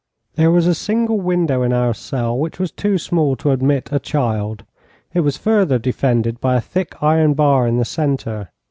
There was a single window in our cell, which was too small to admit a child. It was further defended by a thick iron bar in the centre.